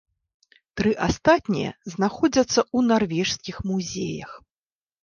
Тры астатнія знаходзяцца ў нарвежскіх музеях.